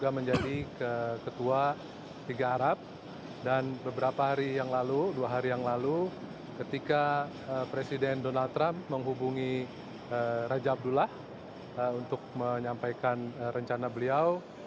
menjadi ketua liga arab dan beberapa hari yang lalu dua hari yang lalu ketika presiden donald trump menghubungi raja abdullah untuk menyampaikan rencana beliau